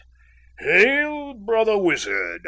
"Hail, brother wizard!